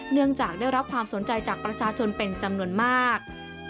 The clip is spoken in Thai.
เนื่องจากได้รับความสนใจจากประชาชนเป็นจำนวนมาก